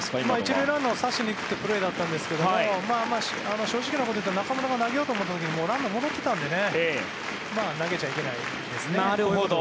１塁ランナーを刺しに行くプレーだったんですが正直なことをいうと中村が投げようと思った時にランナー、戻っていたので投げちゃいけなかったですね。